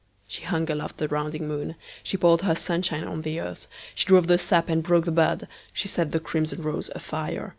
She hung aloft the rounding moon, She poured her sunshine on the earth, She drove the sap and broke the bud, She set the crimson rose afire.